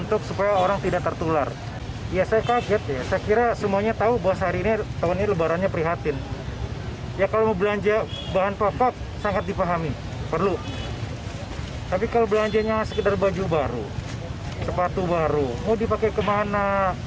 tapi kalau belanjanya sekedar baju baru sepatu baru mau dipakai kemana